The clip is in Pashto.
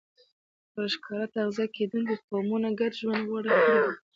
پر ښکار تغذیه کېدونکو قومونو ګډ ژوند غوره کړی وای.